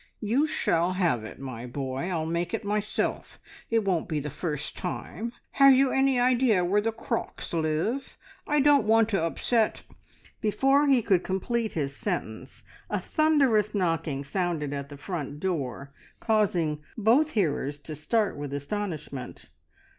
"You shall have it, my boy. I'll make it myself. It won't be the first time. Have you any idea where the crocks live? I don't want to upset " Before he could complete his sentence, a thunderous knocking sounded at the front door, causing both hearers to start with astonishment.